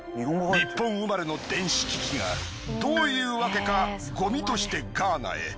日本生まれの電子機器がどういうわけかゴミとしてガーナへ。